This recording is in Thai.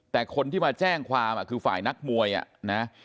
แต่คนที่มาแจ้งความคือฝ่ายนักมวยนะ